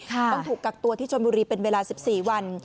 ค่ะต้องถูกกักตัวที่ชนบุรีเป็นเวลาสิบสี่วัน